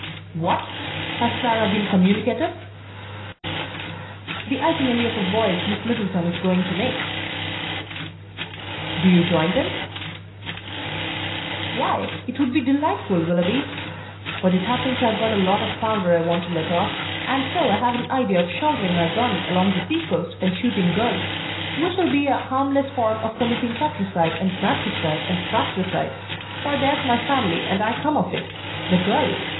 "What! has Clara been communicative?" "The itinerary of a voyage Miss Middleton is going to make." "Do you join them?" "Why, it would be delightful, Willoughby, but it happens I've got a lot of powder I want to let off, and so I've an idea of shouldering my gun along the sea coast and shooting gulls: which'll be a harmless form of committing patricide and matricide and fratricide for there's my family, and I come of it! the gull!